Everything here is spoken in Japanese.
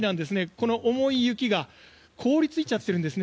この重い雪が凍りついちゃってるんです。